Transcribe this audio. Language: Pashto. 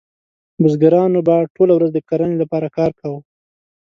بزګرانو به ټوله ورځ د کرنې لپاره کار کاوه.